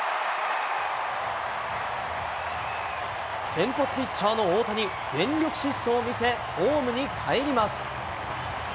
先発ピッチャーの大谷、全力疾走を見せホームにかえります。